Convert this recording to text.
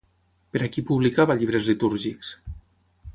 Per a qui publicava llibres litúrgics?